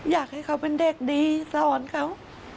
อยากให้เขาเป็นเด็กดีสอนเขา